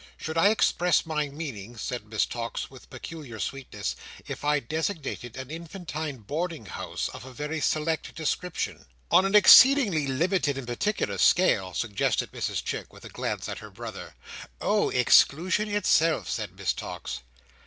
Should I express my meaning," said Miss Tox, with peculiar sweetness, "if I designated it an infantine Boarding House of a very select description?" "On an exceedingly limited and particular scale," suggested Mrs Chick, with a glance at her brother. "Oh! Exclusion itself!" said Miss Tox.